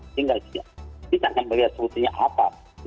tinggal kita akan melihat sebetulnya apa